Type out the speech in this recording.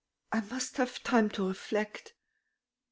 "I must have time to reflect.